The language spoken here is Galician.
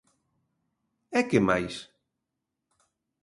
¿E que mais?